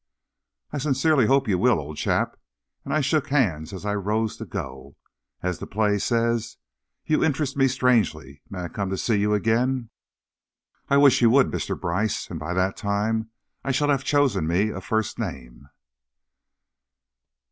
"I sincerely hope you will, old chap," and I shook hands as I rose to go. "As the play says, 'You interest me strangely!' May I come to see you again?" "I wish you would, Mr. Brice, and by that time I shall have chosen me a first name."